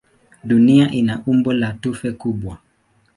Dunia ina umbo la tufe kubwa.